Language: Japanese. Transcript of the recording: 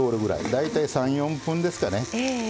大体３４分ですかね